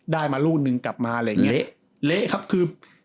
ได้มาลูกนึงกลับมาอะไรอย่างนี้เละเละครับคือ